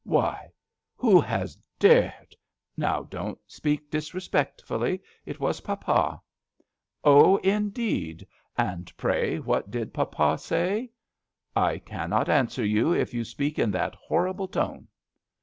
"Why! who has dared "" Now don't speak disrespect fully ; it was papa." " Oh, indeed ! And, pray, what did papa say ?"" I cannot answer you if you speak in that horrible tone."